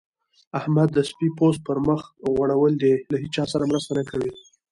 احمد د سپي پوست پر مخ غوړول دی؛ له هيچا سره مرسته نه کوي.